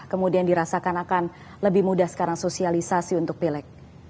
kemudian dirasakan akan lebih mudah sekarang sosialisasi untuk pileg